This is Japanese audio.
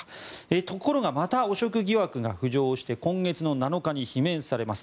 ところがまた汚職疑惑が浮上して今月７日に罷免されます。